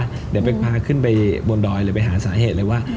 เดี๋ยวไปพาขึ้นไปบนดอยหรือไปหาสาเหตุเลยว่า